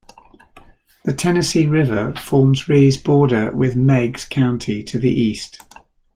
The Tennessee River forms Rhea's border with Meigs County to the east.